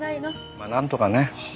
まあなんとかね。